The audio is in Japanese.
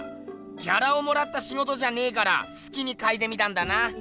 ギャラをもらったしごとじゃねえからすきにかいてみたんだな。